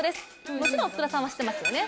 もちろん福田さんは知ってますよね？